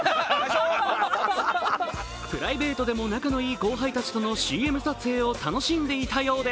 プライベートでも仲のいい後輩たちとのＣＭ撮影を楽しんでいたようで